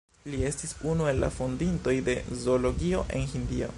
Li estis unu el la fondintoj de zoologio en Hindio.